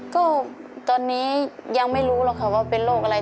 ก็ตอนนี้ยังไม่รู้หรอกค่ะว่าเป็นโรคอะไร